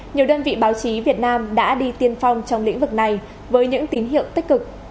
nhiều đơn vị báo chí việt nam đã đi tiên phong trong lĩnh vực này với những tín hiệu tích cực